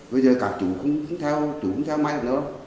bây giờ cả chú không theo chú không theo máy được đâu